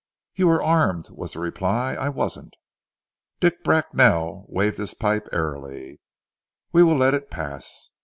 "You were armed," was the reply. "I wasn't." Dick Bracknell waved his pipe airily. "We will let it pass.